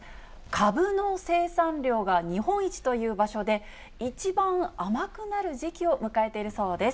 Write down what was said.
かぶの生産量が日本一という場所で、一番甘くなる時期を迎えているそうです。